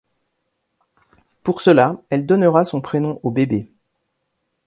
Pour cela, elle donnera son prénom au bébé.